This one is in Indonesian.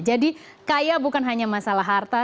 jadi kaya bukan hanya masalah harta